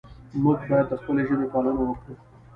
موږ باید د خپلې ژبې پالنه وکړو.